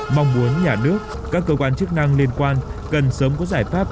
mong muốn nhà nước các cơ quan chức năng liên quan cần sớm có giải pháp